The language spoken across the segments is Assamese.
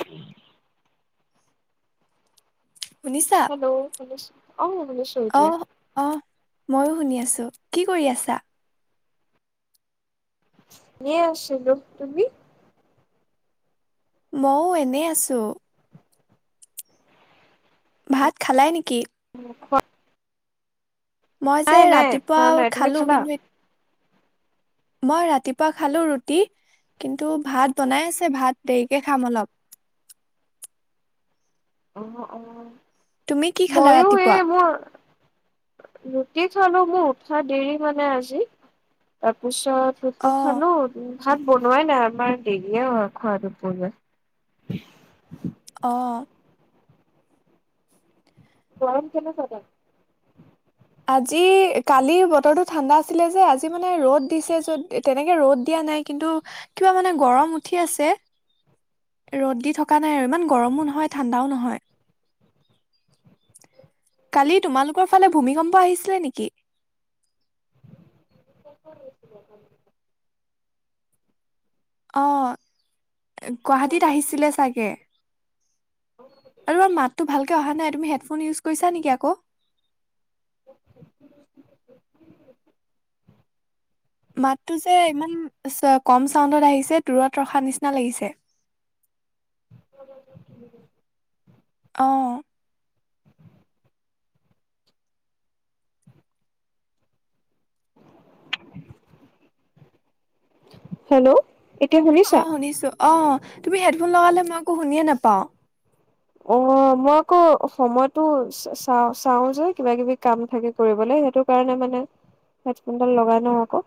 উম হেল্ল অ শুনিছো এতিয়া আহ, আহ। ময়ো শুনি আছো, কি কৰি আছা। এনে আছো তুমি মইো এনে আছো অ ভাত খালে নেকি। খোৱা মই নাই যে নাই ৰাতিপুৱা খোৱা নাই তুমি খালো খালা কিন্তু। মই ৰাতিপুৱা খালো ৰুটি কিন্তু, ভাত বনাই আছে ভাত দেৰিকে খাম অলপ। আহ আহ তুমি কি খালা ৰাতিপুৱা? ৰুটি খালো মোৰ উঠা দেৰি মানে আজি তাৰপিছ ৰুটি অহ খালো। ভাত বনোৱাই নাই আমাৰ দেৰিয়ে হয় খোৱাটোপ অ গৰম কেনেকোৱা চাগন আজি কালি বতৰটো ঠাণ্ডা আছিলে, যে আজি মানে ৰ'দ দিছে য'ত তেনেকে ৰ'দ দিয়া নাই, কিন্তু কিবা মানে গৰম উঠি আছে ৰ'দ দি থকা নাই আৰু ইমান গৰমো নহয় ঠাণ্ডাও নহয়। কালি তোমালোকৰ ফালে ভূমিকম্প আহিছিলে নেকি। অঁ গুৱাহাটীত আহিছিলে চাগে। আৰু মাততো ভালকে অহা নাই তুমি হেডফোন ইউজ কৰিছা নেকি? ক আকৌ মাতটো যে ইমান কম চাউডত আহিছে দূৰত ৰখা নিচিনা লাগিছে। অ হেল্ল' এতিয়া অ শুনিছা শুনিছো অ তুমি হেডফোন লগালে মই একো শুনে নাপাওঁ। অ মই আকৌ সময়তটো চা চাও যে কিবা কিবি কাম থাকে কৰিবলৈ সেইটো কাৰণে মানে হেডফোনডাল লগাই ন আকৌ।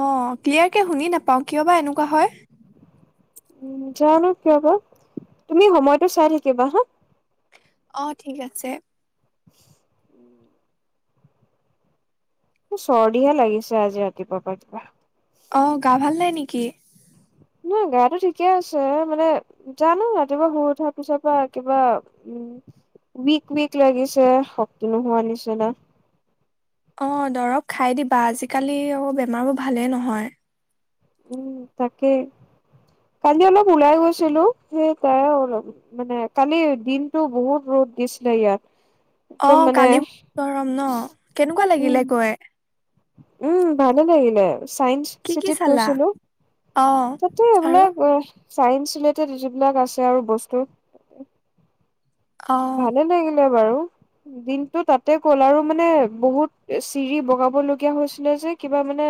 অ ক্লিয়াৰকে শুনি নাপাওঁ কিয় বা এনেকুৱা হয়। উ জানো কিয় বা তুমি সময়টো চাই থাকিবা হা। অ ঠিক আছে। [unintelligible] চৰ্দিহে লাগিছে আজি ৰাতিপুৱা পৰা অ গা ভাল নাই নেকি? নহ গা টো ঠিকে আছে মানে জানো ৰাতিপুৱা শুই উঠাৰ পিছৰ পৰা কিবা উইক উইক লাগিছে শক্তি নোহোৱা নিচিনা অ দৰৱ খাই দিবা আজিকালি অ বেমাৰবোৰ ভালেই নহয় উম তাকেই কালি অলপ ওলাই গৈছিলো সেই তাই মানে কালি দিনটো বহুত ৰ'দ দিছিলে ইয়াত অ একদম মানে কালি গৰম ন কেনেকুৱা উম লাগিলে গৈ উম ভালে লাগিলে চাইন্স কি কি চিটিত চালা গৈছিলো অ তাতে আৰু এইবিলাক চাইন্স ৰিলেটেড যিবিলাক আছে আৰু বস্তু অ ভালে লাগিল বাৰু দিনতটো তাতে গ'ল আৰু মানে বহুত চিৰি বগাবলগীয়া হৈছিলে যে কিবা মানে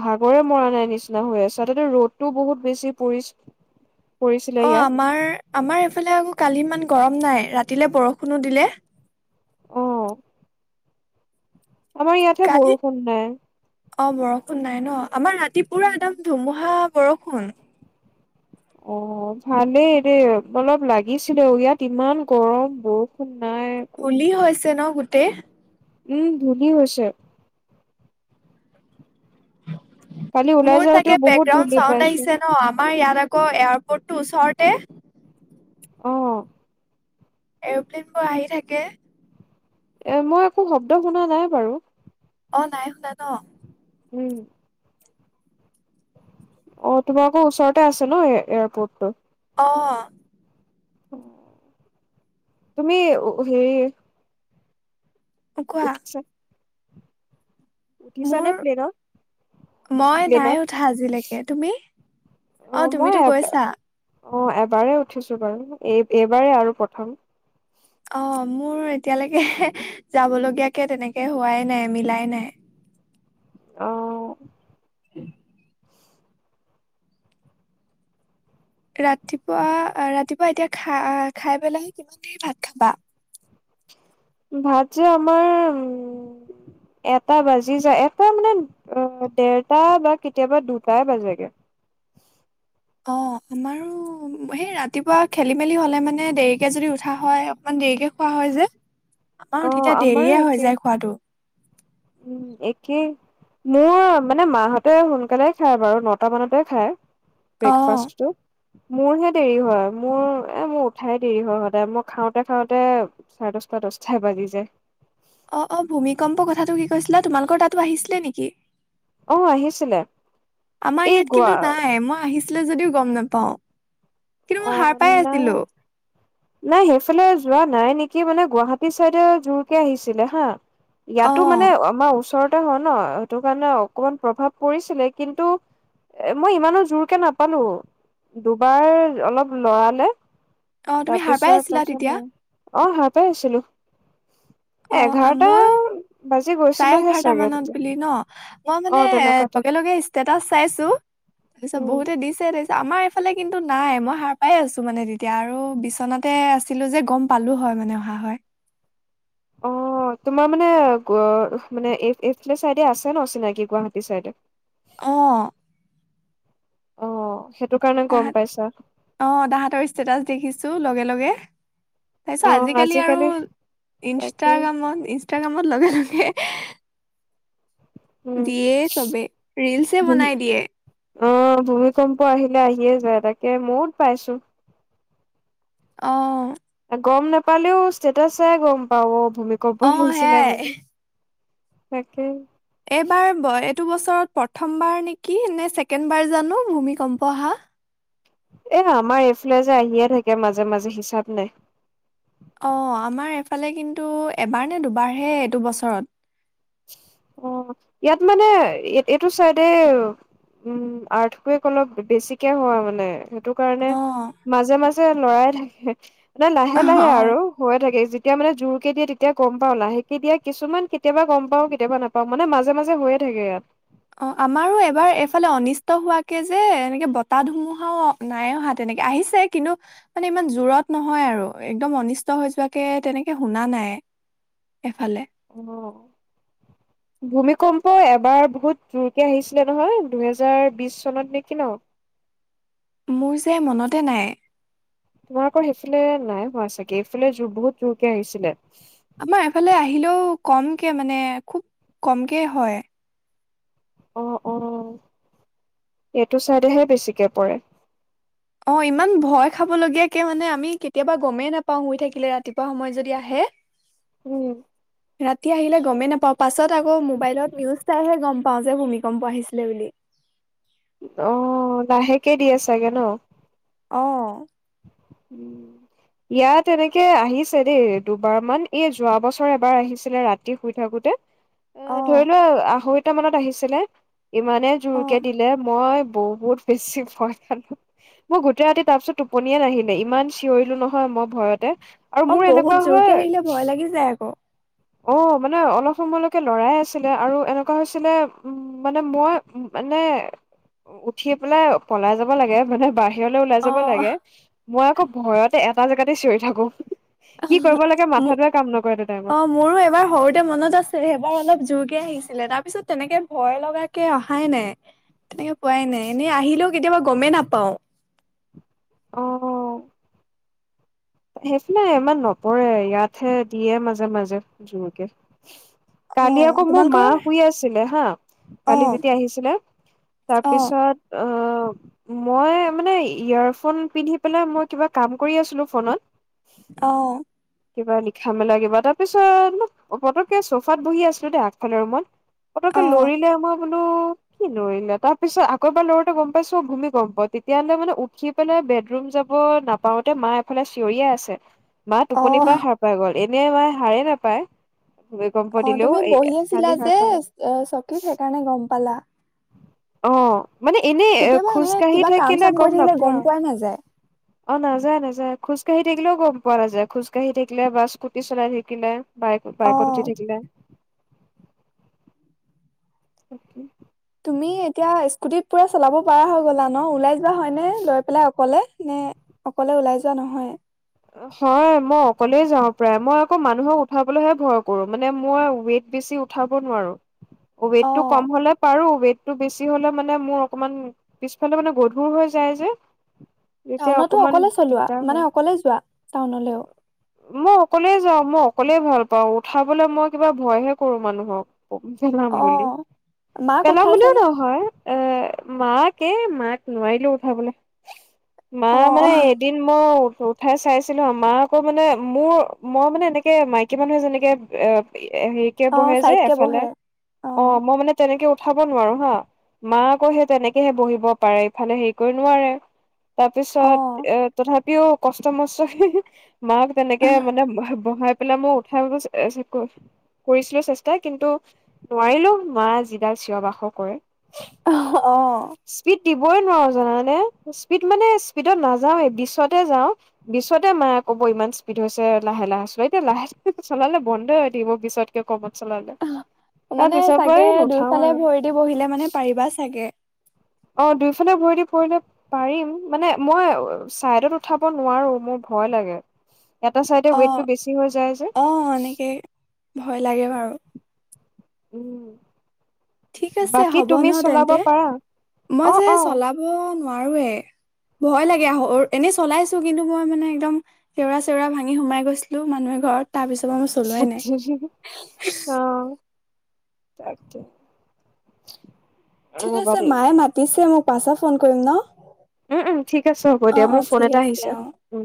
ভাগৰে মৰা নাই নিচিনা হৈ আছে তাতে ৰ'দটো বহুত বেছি পৰি অ আমাৰ আমাৰ এইফালে আকৌ কালি ইমান গৰম নাই ৰাতিলে বৰষুণো দিলে অহ আমাৰ ইয়াতহে কালি বৰষুণ নাই অ বৰষুণ নাই ন আমাৰ ৰাতিপুৰা একদম ধুমুহা বৰষুণ অ ভালেই দে অলপ লাগিছিলে ইয়াত ইমান গৰম বৰষুণ নাই। ধুলি হৈছে ন গোটেই উম ধুলি হৈছে কালি ওলাই মোৰ যাওঁতেও চাগে বহুত বেকগ্ৰাউণ্ড ধুলি চাউণ্ড পাইছো আহিছে ন আমাৰ ইয়াত আকৌ এয়াৰপৰ্টটোৰ ওচৰতে অঁ এৰপ্লেনবোৰ আহি থাকে এ মই একো শব্দ শুনা নাই বাৰু অ নাই শুনা ন উম অ তোমাৰ আকৌ ওচৰতে আছে ন এয়াৰপৰ্টটো অ তুমি হেৰি অ কোৱা উঠিছা উঠিছানে মোৰ প্লেনত মই প্লেনত? নাই উঠা আজিলৈকে তুমি অ তুমিতো গৈছা অ এবাৰেই উঠিছো বাৰু এই এইবাৰেই আৰু প্ৰথম অ মোৰ এতিয়ালৈকে যাবলগীয়াকে তেনেকে হোৱাই নাই মিলাই নাই অ উম ৰাতিপুৱা ৰাতিপুৱা এতিয়া খা খাই পেলাইহে কিমান দেৰি ভাত খাবা ভাত যে আমাৰ উম এটা বাজি যায় এটা মানে দেৰটা বা কেতিয়াবা দুটাই বাজগে অ আমাৰো সেই ৰাতিপুৱা খেলি মেলি হলে মানে দেৰিকে যদি উঠা হয় অকমান দেৰিকে খোৱা হয় যে আমাৰ অ' তেতিয়া আমাৰো দেৰিয়ে হৈ একে যায় খোৱাটো উম একেই মোৰ মানে মাহঁতে সোনকালে খায় বাৰু নটা মানতে খায় অ' ব্ৰেকফাষ্টটো মোৰহে দেৰি হয় মোৰ এ মোৰ উঠাই দেৰি হয় সদায় মই খাওঁতে খাওঁতে চাৰে দছটা দছটাই বাজি যায় অ অ ভূমিকম্প কথাটো কি কৈছিলা তোমালোকৰ তাত আহিছিলে নেকি অ আহিছিলে আমাৰ এই ইয়াত গোৱা কিন্তু নাই মই আহিছিল আছিলে যদিও গম নাপাওঁ কিন্তু মই অ সাৰ পাই ন আছিলো। নাই সেইফালে যোৱা নাই নেকি মানে গুৱাহাটী চাইডে জোৰকে আহিছিলে হা ইয়াতো মানে অ' আমাৰ ওচৰত হয় ন সেইটো কাৰণে অকমান প্ৰভাৱ পৰিছিলে কিন্তু এ মই ইমানো জোৰকে নাপালো দুবাৰ অলপ লৰালেে অ তুমি সাৰ পাই আছিলা তেতিয়া অ হ পাই আছিলো এঘাৰটা বাজে চাই এঘাৰটা মানত বুলি ন মই অ মানে তেনেকুৱাতে লগে লগে ষ্টেটাচ চাইছো তাৰপিছত উম বহুতে দিছে তিছ আমাৰ এইফালে কিন্তু নাই মই সাৰ পাই আছো মানে তেতিয়া আৰু বিচনাতে আছিলো যে গম পালো হয় মানে অহা হয় অ তোমাৰ মানে মানে এইফালে চাইডে আছে ন চিনাকি গুৱাহাটী চাইডে অ অ স তাহাত অ তাহতৰ ষ্টেটাচ দেখিছো লগে লগে তাৰপিছত আজিকালি আৰু তাকে ইনষ্টাগ্ৰামত ইনষ্টাগ্ৰামত লগে লগে উম [unintelligible] দিয়ে চবে ৰিলচে ভূমি বনাই দিয়ে অ ভূমিকম্প আহিলে আহিয়ে যায় তাকে ময়োত পাইছো অ গম নাপালেও ষ্টেটাচ গম পাও তুমি ক'ব অ আহছ নাই সেয়াই বুলি তাকে এইবাৰ এইটো বছৰত প্ৰথম বাৰ নেকি নে ছেকেণ্ড বাৰ জানো ভূমিকম্প হৈছে এ আমাৰ এইফালে যে আহিয়ে থাকে মাজে মাজে হিচাপ নাই অ আমাৰ এফালে কিন্তু এবাৰ নে দুবাৰহে এইটো বছৰত অ ইয়াত মানে এইটো চাইডে উম আৰ্থকে অলপ বেছিকে হ মানে সেইটো কাৰণে অ মাজে মাজে লৰাই থাকে নাই লাহে লাহে অ আৰু হৈয়ে থাকে যে তেতিয়া মানে জোৰ কে দিয়ে তেতিয়ামানে গম পাও, লাহেকে দিয়া কিছুমান কেতিয়াবা গমা অহ কেতিয়াবা নাপাও মানে মাজে মাজে হৈয় থাকে ইয়াত। অ আমাৰো এবাৰ এইফালে অনিষ্ট হোৱাকে যে এনেকে বতাহ ধুমুহাও নাই অহা। তেনেকে আহিছে কিন্তু মানে ইমান জোৰত নহয় আৰু একদম অনিষ্ট হৈ যোৱাকে তেনেকে শুনা নাই। এফালে অ ভূমি কম্প এবাৰ বহুত জোৰকে আহিছিলে নহয় দুহেজাৰ বিশ চনত নেকি ন। মোৰ যে মনতে নাই। তোমাৰ আকৌ সেইফালে নাই হোৱা চাগে এইফালে জোৰ বহুত জোৰ কে আহিছিলে ন। আমাৰ এফালে আহিলেও কমকে মানে, খুব কমকে হয়। অ, অ এইটো ছাইডেহে বেছিকে পৰে। অ ইমান ভয় খাব লগীয়াকে মানে আমি কেতিয়াবা গমেই নাপাওঁ শুই থাকিলে ৰাতিপুৱা সময়ত যদি আহে। উম ৰাতি আহিলে গমেই নাপাওঁ, পাছত আকৌ মোবাইলত নিউজ চাইহে গম পাওঁ যে ভূমিকম্প আহিছিলে বুলি। অ লাহেকে দিয়ে চাগে ন আহ উ ইয়াত এনেকে আহিছে দেই দুবাৰ মান এই যোৱা বছৰ এবাৰ আহিছিলে ৰাতি শুই থাকোতে। অ ধৰি লোৱা আহৰিত মানত আহিছিলে ইমানে অ জোৰকে দিলে মই। বহুত বেছি ভয় খাল মই গোটেই ৰাতি তাৰ পিছত টোপনিয়ে নাহিলো। ইমান চিঞৰিলো নহয় মই ভয়তে। আৰু অ মোৰ এনেকুৱা বহুত জোৰকে হয় আহিলে ভয় লাগি যায় আকৌ। অ মানে অলপ সময়লৈকে লৰাই আছিলে আৰু এনেকুৱা হৈছিলে উ মানে মই মানে উঠি পেলাই পলাই যাব লাগে মানে বাহিৰ সিৰলৈ ওলাই অ যাব লাগে মই আকৌ ভয়তে এটা জেগাতে চিঞৰি থাকো। কি কৰিব লাগে মাথাটোয়ে কাম নকৰে এটা টাইমত আৰু এবাৰ সৰুতে মনত আছে, সিবাৰ অলপ জোৰকে আহিছে। ছিলে তাৰ পিছত তেনেকে ভয় লগ কে অহাই নাই। তেনেকে পোৱাই নাই এনেই আহিলেও। কেতিয়াবা গমেই নাপাও অহ সেইফালে ইমান নপৰে ইয়াতহে দিয়ে মাজে, মাজে জোৰকে অ কালি আকৌ মোৰ মা তোমালোকৰ শুই আছিলে হা অ কালি যেতিয়া আহিছিলে অ তাৰপিছত অ মই মানে ইয়েৰফোন পিন্ধি পেলাই মই কিবা কাম কৰি আছিলো ফোনত অ কিবা লিখা মেলা কিবা তাৰ পিছত পতককে চোফাত বহি আছিলো দেই আগফালে ৰুমত। পতকে অ লৰিলে আমাক বোলো কি লৰিলে তাৰ পিছত আকৌ এবাৰ লৰতে গম পাইছো ভূমিকম্প গম পা তেতিয়াহলে মানে উঠি পেলাই বেডৰুম যাব নাপাওতে মা এফালে। থৰিয়ে আছে মা অ টোপনি পৰাই সাৰ পাই গ'ল এনে মই হাৰে নাপায় ভূমিকম্প অ দিলেও তুমি এই বহি আছিলা কালি সাৰ যে পালে চকীত সেইকাৰণে গম পালা অ মানে এনেই কেতিয়াবা খোজ এনে কাঢ়ি কিবা কাম থাকিলে চাম কৰি গম থাকিলে নাপোৱা পোৱাই নাযায় অ নাযায় নাযায় খোজকাঢ়ি থাকিলেও গ'ম পৰা নাযায় খোজকাঢি থাকিলে বা স্কুটি চলাই থাকিলে বাইক বাইকৰ অ যি উঠি থাকিলে তাকে তুমি এতিয়া স্কুটিত পুৰা চলাব পৰা হৈ গ'লা ন ওলাই কিবা হয় নে লৈ পেলাই অকলে নে অকলে ওলাই যোৱা নহয় হয় মই অকলে যাও প্ৰায় মই আকৌ মানুহক উঠাবলৈহে ভয় কৰো মানে মই ৱেইট বেছি উঠাব নোৱাৰো ৱেইট অ টো কম হলে পাৰো ৱেইট টো বেছি হলে মানে মোৰ অকমান পিছফালে মানে গধুৰ হৈ যায় যে তেতিয়া টাউনতো অকমান অকলে চলোৱা দিগদাৰ মানে হয় অকলে যোৱা টাউনলৈও মই অকলে যাওঁ মই অকলে ভাল পাওঁ উঠাবলে মই কিবা ভয় হে কৰো মানুহক পেলাম অ বুলি মাক পেলা বুলিও উঠাইছানে নহয় এ মাকে মাক নোৱাৰিলো উঠাবলে মা অ মানে এদিন মোৰ [unintelligible] কোঠাই চাইছিলো মা আকৌ মানে মোৰ মই মানে এনেকে মাইকী মানুহে যেনেকে এ হেৰিকে অ বহে যে চাইডকে এফালে বহে অ মই মানে তেনেকে পঠাব নোৱাৰো হা মা আকৌ সে তেনেকেহে বহিব পাৰে ইফালে হেৰি কৰি নোৱাৰে অ তাৰপিছত এ তথাপি দু কষ্ট মষ্ট মাক তেনেকে মানে বহাই পেলাই মই উঠাই কৰিছিলো চেষ্টা কিন্তু নোৱাৰিলেও মা যিডাল চিঞৰ বাসৰ কৰে স্পীড আহ দিবই নোৱাৰো জানানে স্পীড মানে স্পীডত নাযাও এ বিশছতে যাওঁ বিশছতে মায়ে কব ইমান স্পীড হৈছে লাহে লাহে চ এতিয়া লাহে চলালে বন্ধে হৈ থাকিব পিছতকে ক মানে চাগে নুঠাও দুইফালে আৰু ভৰি দি বহিলে মানে পাৰিবা চাগে অ দুইফালে ভৰি দি ফৰিলে পাৰিম মানে মই চাইডত উঠাব নোৱাৰো মোৰ ভয় লাগে এটা চাইডে অ ৱেইটটো বেছি হৈ যায় যে অ এনেকে ভয় লাগে বাৰু উম ঠিক আছে বাকী হ'ব তুমি ন চলাব তেন্তে পাৰা মই অ যে অ চলাব নোৱাৰোৱে ভয় লাগে আহ - অৰ এনেই চলাইছো কিন্তু মই মানে একদম সেওৰা চেওৰা ভাঙি সোমাই গৈছিলো মানুহ এঘৰত। তাৰ পিছৰ পৰা মই চলোৱাই নাই। অ তাকে। ঠিক ৰ'বা আছে দেই মায়ে মাতিছে মোক পাছত ফোন কৰিম ন? উম উম। ঠিক আছে হ'ব অ দিয়া অ মোৰ ফোন ঠিক এটা আছে আহিছে। অ উম।